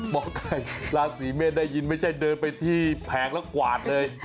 หมอไก่ราศีเมษได้ยินไม่ใช่เดินไปที่แผงแล้วกวาดเลย